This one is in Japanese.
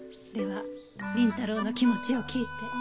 では麟太郎の気持ちを聞いて。